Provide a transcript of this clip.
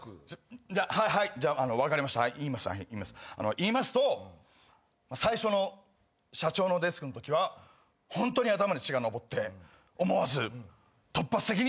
言いますと最初の社長のデスクのときはホントに頭に血が上って思わず突発的にやってしまいました。